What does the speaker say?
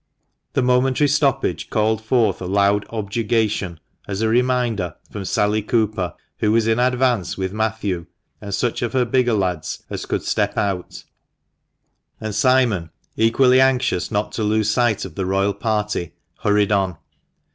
The momentary stoppage called forth a loud objurgation, as a reminder, from Sally Cooper, who was in advance with Matthew and such of her bigger lads as could step out; and Simon, equally anxious not to lose sight of the royal party, hurried on.